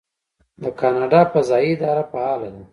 د کاناډا فضایی اداره فعاله ده.